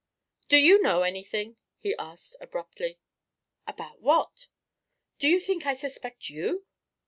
"Do you know anything?" he asked abruptly. "About what? Do you think I suspect you?"